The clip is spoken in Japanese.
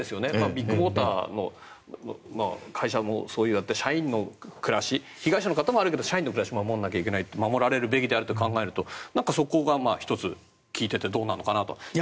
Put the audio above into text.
ビッグモーターの会社もそういう社員の暮らし被害者の方もあるけど社員の方の暮らしも守られるべきであると考えるとそこが１つ聞いていてどうなのかなと。